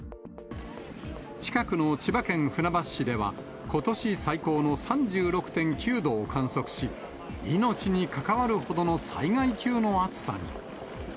近くの千葉県船橋市では、ことし最高の３６．９度を観測し、命に関わるほどの災害級の暑さに。